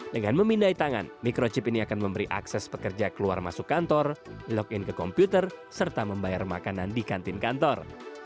dengan memindai tangan microchip ini akan memberi akses pekerja keluar masuk kantor login ke komputer serta membayar makanan di kantin kantor